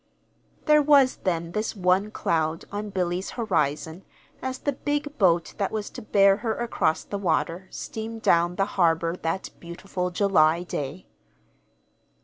There was, then, this one cloud on Billy's horizon as the big boat that was to bear her across the water steamed down the harbor that beautiful July day.